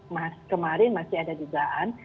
tapi kemarin masih ada jugaan